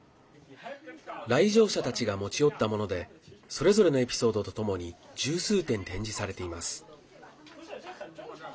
来場者たちが持ち寄ったものでそれぞれのエピソードとともに十数点展示されています。